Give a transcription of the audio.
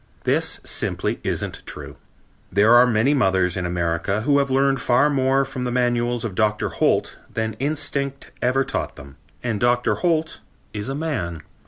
This simply isn't true. There are many mothers in America who have learned far more from the manuals of Dr. Holt than instinct ever taught them and Dr. Holt is a man.